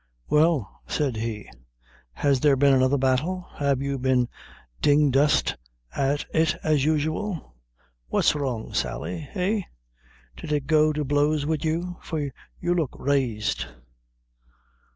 "Well," said he, "has there been another battle? have you been ding dust at it as usual? What's wrong, Sally? eh? Did it go to blows wid you, for you looked raised?"